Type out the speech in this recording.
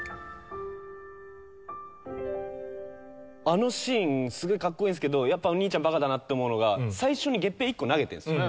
あのシーンすごいカッコイイんですけどやっぱ兄ちゃんバカだなって思うのが最初に月餅１個投げてるんですよ。